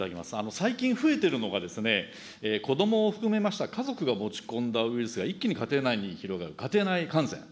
最近、増えているのが子どもを含めました家族が持ち込んだウイルスが一気に家庭内に広がる、家庭内感染。